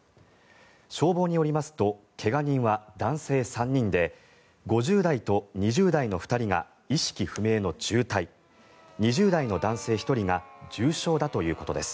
消防によりますと怪我人は男性３人で５０代と２０代の２人が意識不明の重体２０代の男性１人が重傷だということです。